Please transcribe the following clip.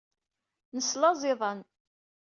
Neslaẓ iḍan.